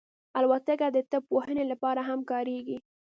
الوتکه د طب پوهنې لپاره هم کارېږي.